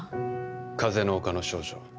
「風の丘の少女」